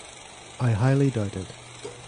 I highly doubt it.